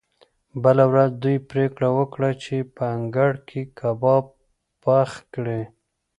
بله ورځ دوی پریکړه وکړه چې په انګړ کې کباب پخ کړي